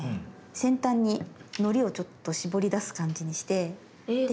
先端にのりをちょっと絞り出す感じにしてで。